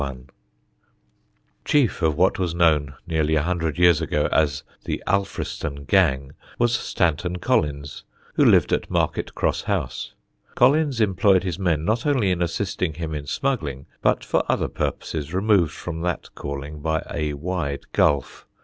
[Sidenote: MR. BETTS'S READINESS] Chief of what was known nearly a hundred years ago as the "Alfriston Gang" was Stanton Collins, who lived at Market Cross House. Collins employed his men not only in assisting him in smuggling, but for other purposes removed from that calling by a wide gulf.